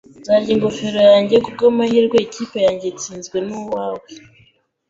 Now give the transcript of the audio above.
Nzarya ingofero yanjye, kubwamahirwe, ikipe yanjye itsinzwe nuwawe